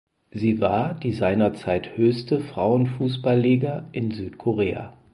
Sie war die seinerzeit höchste Frauenfußballliga in Südkorea.